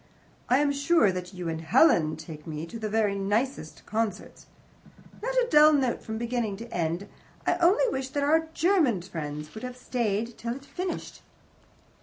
I am sure that you and Helen take me to the very nicest concerts. Not a dull note from beginning to end. I only wish that our German friends would have stayed till it finished."